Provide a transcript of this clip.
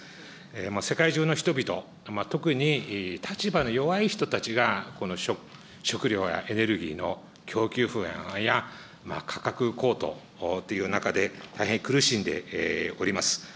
世界中の人々、特に立場の弱い人たちがこの食料やエネルギーの供給不安や価格高騰という中で、大変苦しんでおります。